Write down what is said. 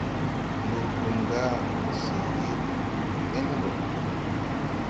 Burgum ga se yee kluu ɓen go.